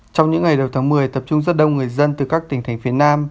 trong những ngày đầu tháng một mươi tập trung rất đông người dân từ các tỉnh thành phía nam